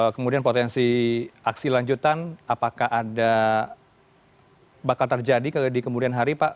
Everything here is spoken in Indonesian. kemudian potensi aksi lanjutan apakah ada bakal terjadi di kemudian hari pak